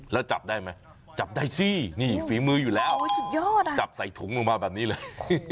แล้วจับได้ไหมจับได้สินี่ฝีมืออยู่แล้วสุดยอดอ่ะจับใส่ถุงลงมาแบบนี้เลย